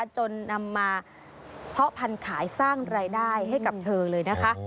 จนนำมาเพาะพันธุ์ขายสร้างรายได้ให้กับเธอเลยนะคะ